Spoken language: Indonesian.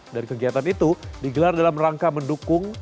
dan kegiatan itu digelar dalam rangka mendukung